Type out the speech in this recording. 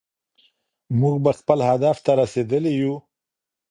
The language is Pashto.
موږ به خپل هدف ته رسېدلي يو.